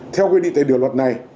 theo quy định tài điều luật này